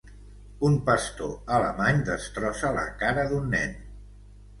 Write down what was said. Un pastor alemany destrossa la cara d'un nen.